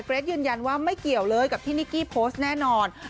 เกรทยืนยันว่าไม่เกี่ยวเลยกับที่นิกกี้โพสต์แน่นอน